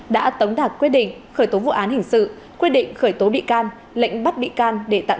đã tống đạt quyết định khởi tố vụ án hình sự quyết định khởi tố bị can lệnh bắt bị can để tạm